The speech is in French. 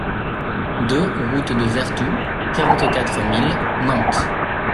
deux route de Vertou, quarante-quatre mille Nantes